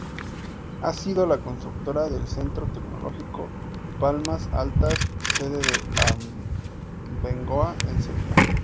Ha sido la constructora del Centro Tecnológico Palmas Altas, sede de Abengoa en Sevilla.